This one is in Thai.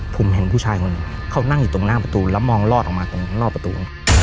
ผมเห็นผู้ชายคนหนึ่งเขานั่งอยู่ตรงหน้าประตูแล้วมองลอดออกมาตรงรอบประตู